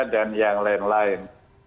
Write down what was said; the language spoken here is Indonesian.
dan yang lain lain